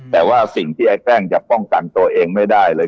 แต่ว่าสิ่งที่ไอ้แกล้งจะป้องกันตัวเองไม่ได้เลย